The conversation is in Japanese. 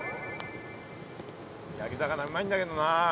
焼き魚うまいんだけどな。